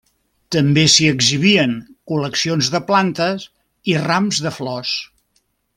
També s'hi exhibien col·leccions de plantes i rams de flors.